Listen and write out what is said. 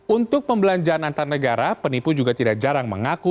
untuk pembelanjaan antar negara penipu juga tidak jarang mengaku